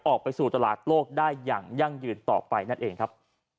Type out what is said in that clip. ออกไปสู่ตลาดโลกได้อย่างยั่งยืนต่อไปนั่นเองครับ